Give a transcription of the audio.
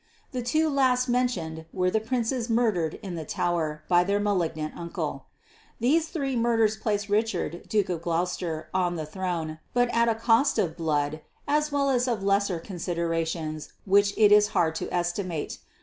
The two last mentioned were the princes murdered in the Tower by their malignant uncle. These three murders placed Richard Duke of Gloucester on the throne, but at a cost of blood as well as of lesser considerations which it is hard to estimate.